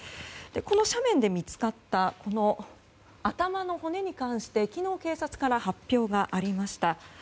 この斜面で見つかった頭の骨に関して昨日、警察から発表がありました。